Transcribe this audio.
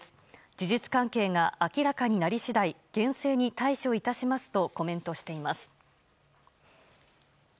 事実関係が明らかになり次第厳正に対処いたしますとコメントしています。